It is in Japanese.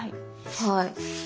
はい。